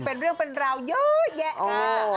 เป็นเรื่องเป็นราวเยอะแยะ